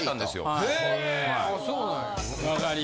へぇそうなんや。